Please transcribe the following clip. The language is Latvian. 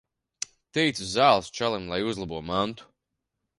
Teicu zāles čalim, lai uzlabo mantu.